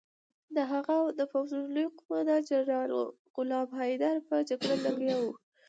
د هغه د پوځونو لوی قوماندان جنرال غلام حیدر په جګړه لګیا وو.